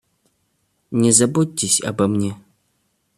Не заботьтесь обо мне.